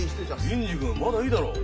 銀次君まだいいだろう？